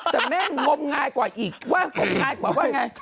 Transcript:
แต่แม่งมงายกว่าอีกว่างมงายกว่าไง